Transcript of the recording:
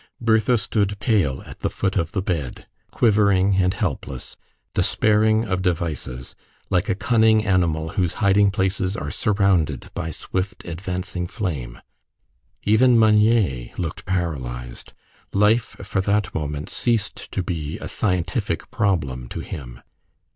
Bertha stood pale at the foot of the bed, quivering and helpless, despairing of devices, like a cunning animal whose hiding places are surrounded by swift advancing flame. Even Meunier looked paralysed; life for that moment ceased to be a scientific problem to him.